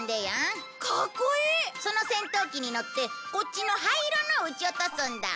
その戦闘機に乗ってこっちの灰色のを撃ち落とすんだ。